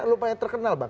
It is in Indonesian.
lupa yang terkenal bang